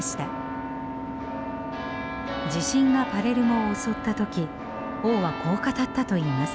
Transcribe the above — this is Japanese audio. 地震がパレルモを襲った時王はこう語ったといいます。